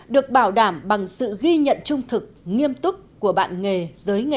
được bảo đảm bằng sự ghi nhận trung thực nghiêm túc của bạn nghề giới nghề